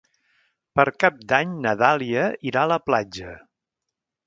Per Cap d'Any na Dàlia irà a la platja.